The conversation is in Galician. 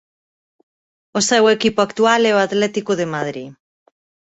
O seu equipo actual é o Atlético de Madrid.